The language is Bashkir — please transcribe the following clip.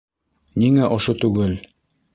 Ниңә ошо түгел?